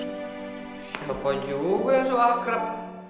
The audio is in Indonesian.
siapa juga yang so akrab